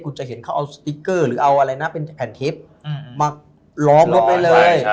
คุณจะเห็นเขาเอาสติ๊กเกอร์หรือเอาแผ่นเทปมารองรบไปเลย